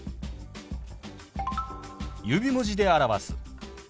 指文字で表す。